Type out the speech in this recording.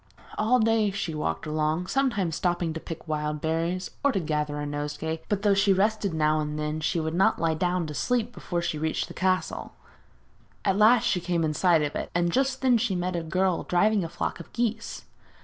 All day she walked along, sometimes stopping to pick the wild berries, or to gather a nosegay; but though she rested now and then, she would not lie down to sleep before she reached the castle. At last she came in sight of it, and just then she met a girl driving a flock of geese.